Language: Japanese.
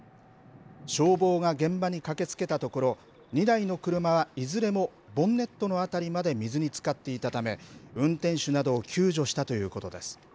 消防が現場に駆けつけたところ、２台の車はいずれもボンネットの辺りまで水につかっていたため、運転手などを救助したということです。